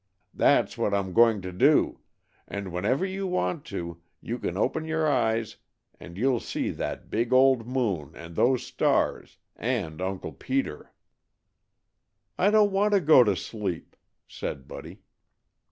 That's what I'm going to do; and whenever you want to, you can open your eyes and you'll see that big old moon, and those stars, and Uncle Peter." "I don't want to go to sleep," said Buddy.